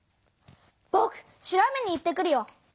ぼく調べに行ってくるよ！